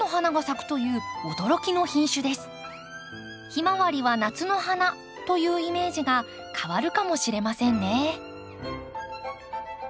ヒマワリは夏の花というイメージが変わるかもしれませんね。